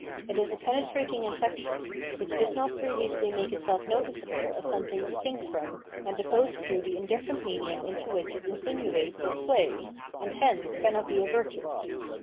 It is a penetrating infection, which did not previously make itself noticeable as something distinct from and opposed to the indifierent medium into which it insinuates its way, and hence cannot be averted.